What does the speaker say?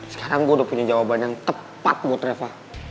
sekarang gue udah punya jawaban yang tepat buat reva